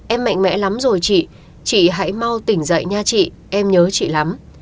em mạnh mẽ lắm rồi chị chị hãy mau tỉnh dậy nha chị em nhớ chị lắm